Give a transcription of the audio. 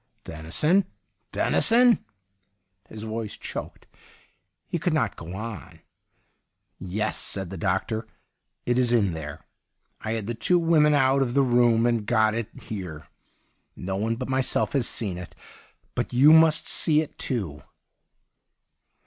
' Dennison, Dennison !' His voice choked ; he could not go on. ' Yes,' said the doctor, ' it is in there. I had the two women out of the room, and got it here. No one but myself has seen it. But you must see it, too.'